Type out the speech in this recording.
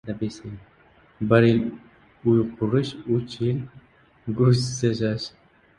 • Bir yil uy qurish — uch yil guruchsiz yashash.